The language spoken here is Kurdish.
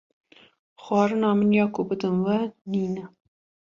Xwarina min ya ku bidim we nîne.